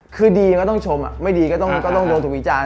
คือดีก็ต้องชมไม่ดีก็ต้องโดนถูกวิจารณ